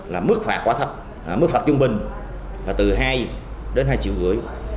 là mức phạt quá thấp mức phạt trung bình là từ hai đến hai triệu rưỡi